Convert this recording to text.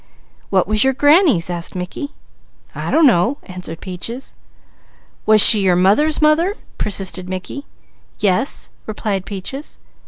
"What was your granny's?" asked Mickey. "I don't know," answered Peaches. "Was she your mother's mother?" persisted Mickey. "Yes," replied Peaches.